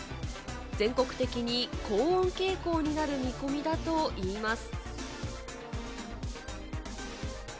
全国的に高温傾向になる見込みだといいます。